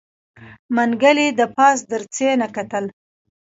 منګلي د پاس دريڅې نه کتل.